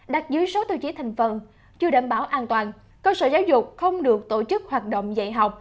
đặt dưới sáu tiêu chí thành phần chưa đảm bảo an toàn cơ sở giáo dục không được tổ chức hoạt động dạy học